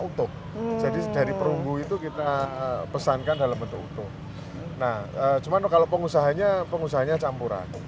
utuk terunggu itu kita pesankan dalam bentuk utuk nah cuman kalau pengusahanya pengusahanya campuran